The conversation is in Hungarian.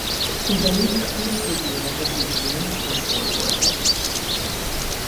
Ugyanígy a két főbb énekes is Gene és Paul voltak.